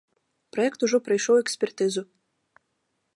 Праект ужо прайшоў экспертызу.